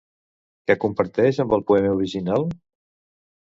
Què comparteix amb el poema original?